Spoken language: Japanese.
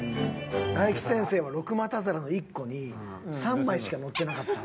大吉先生は六股皿の１個に３枚しかのってなかった。